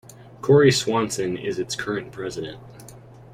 Kory Swanson is its current president.